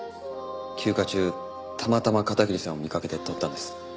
休暇中たまたま片桐さんを見かけて撮ったんです。